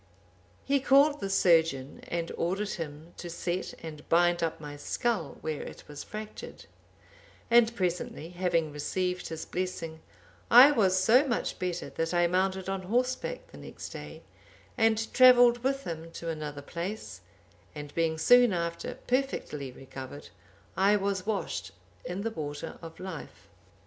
He called the surgeon and ordered him to set and bind up my skull where it was fractured; and presently having received his blessing, I was so much better that I mounted on horseback the next day, and travelled with him to another place; and being soon after perfectly recovered, I was washed in the water of life."